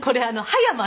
葉山？